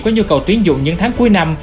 có nhu cầu tuyến dụng những tháng cuối năm